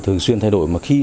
thường xuyên thay đổi